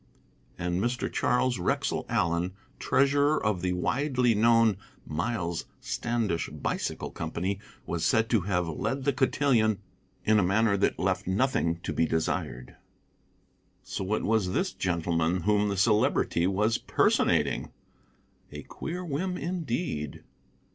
And Mr. Charles Wrexell Allen, treasurer of the widely known Miles Standish Bicycle Company, was said to have led the cotillon in a manner that left nothing to be desired. So it was this gentleman whom the Celebrity was personating! A queer whim indeed.